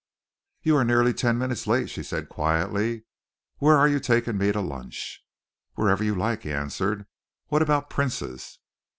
"You are nearly ten minutes late," she said quietly. "Where are you taking me to lunch?" "Wherever you like," he answered. "What about Prince's?"